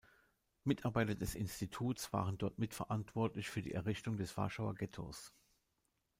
Mitarbeiter des Instituts waren dort mitverantwortlich für die Errichtung des Warschauer Ghettos.